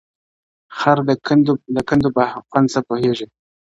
خر د قندو په خوند څه پوهېږي.